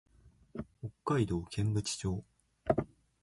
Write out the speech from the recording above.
北海道剣淵町